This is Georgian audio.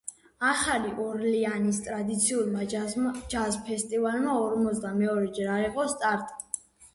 ახალი ორლეანის ტრადიციულმა ჯაზ ფესტივალმა ორმოცდამეორეჯერ აიღო სტარტი.